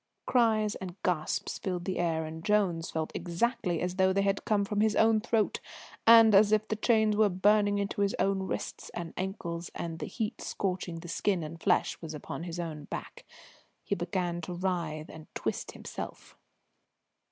Cries and gasps filled the air, and Jones felt exactly as though they came from his own throat, and as if the chains were burning into his own wrists and ankles, and the heat scorching the skin and flesh upon his own back. He began to writhe and twist himself.